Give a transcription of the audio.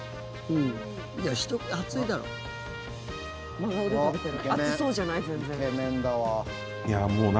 真顔で食べてる。